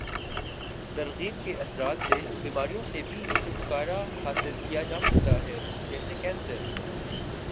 ترغیب کے اثرات سے بیماریوں سے بھی چھٹکارا حاصل کیا جاسکتا ہے جیسے کینسر